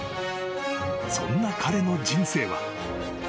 ［そんな彼の人生は］